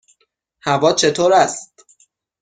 هوا چطور است؟